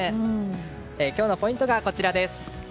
今日のポイントがこちらです。